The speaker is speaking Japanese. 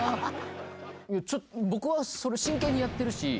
僕は真剣にやってるし。